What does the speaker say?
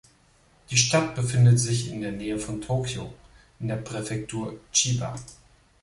Die Stadt befindet sich in der Nähe von Tokio in der Präfektur Chiba.